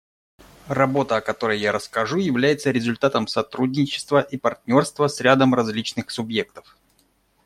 Работа, о которой я расскажу, является результатом сотрудничества и партнерства с рядом различных субъектов.